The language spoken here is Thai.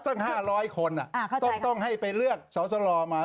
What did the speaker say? ตั้ง๕๐๐คนต้องให้ไปเลือกสอสลมา